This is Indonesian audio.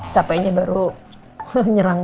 capeknya baru nyerang